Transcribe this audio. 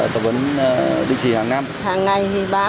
tập huấn đáp ứng những nhiệm vụ diễn diện